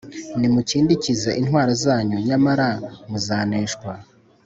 Nimukindikize intwaro zanyu, nyamara muzaneshwa!